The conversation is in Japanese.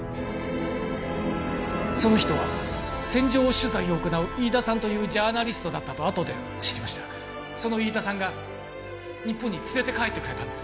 その人は戦場取材を行う飯田さんというジャーナリストだったとあとで知りましたその飯田さんが日本に連れて帰ってくれたんです